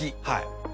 はい。